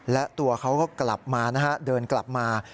และตัวเขาก็กลับมานะฮะเดินกลับมา